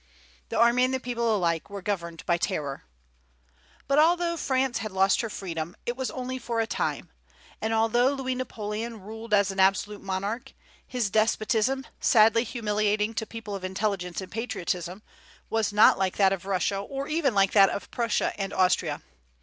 The army and the people alike were governed by terror. But although France had lost her freedom, it was only for a time; and although Louis Napoleon ruled as an absolute monarch, his despotism, sadly humiliating to people of intelligence and patriotism, was not like that of Russia, or even like that of Prussia and Austria.